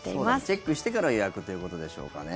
チェックしてから予約ということでしょうかね。